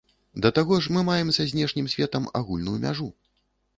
Да таго ж мы маем са знешнім светам агульную мяжу.